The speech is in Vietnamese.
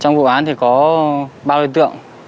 trong vụ án thì có ba đối tượng